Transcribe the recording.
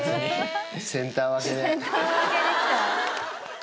センター分けで。